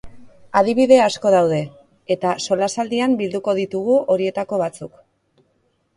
Adibide asko daude, eta solasaldian bilduko ditugu horietako batzuk.